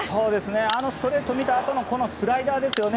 あのストレートを見たあとのスライダーですよね。